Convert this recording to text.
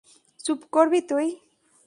চুপ করবি তুই?